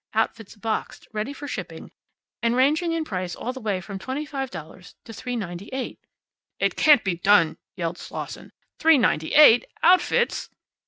Outfits boxed, ready for shipping, and ranging in price all the way from twenty five dollars to three ninety eight " "It can't be done!" yelled Slosson. "Three ninety eight! Outfits!"